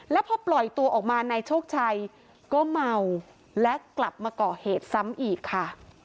แล้วพอปล่อยตัวออกมานายโชคชัยก็เมาและกลับมาก่อเหตุซ้ำอีกค่ะ